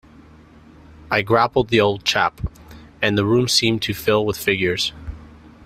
I grappled the old chap, and the room seemed to fill with figures.